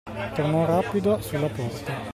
Tornò rapido sulla porta.